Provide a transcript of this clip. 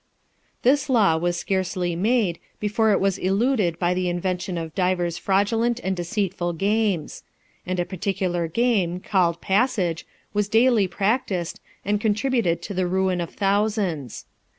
This law was scarcely made, before it was eluded by the invention of divers fraudulent and deceitful games ; and a particular game, called Passage, was daily practised, and contributed to the ruin of thousands.